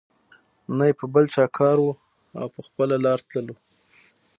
نه یې په بل چا کار وو او په خپله لار تللو.